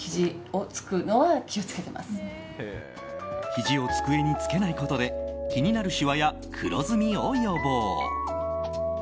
ひじを机につけないことで気になるしわや黒ずみを予防。